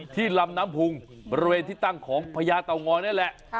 ลำน้ำพุงบริเวณที่ตั้งของพญาเตางอนี่แหละ